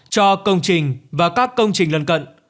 cho công trình và các công trình lân cận